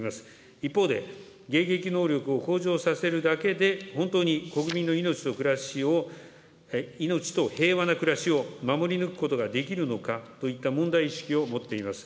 一方で、迎撃能力を向上させるだけで、本当に国民の命と暮らしを、命と平和な暮らしを守り抜くことができるのかといった問題意識を持っています。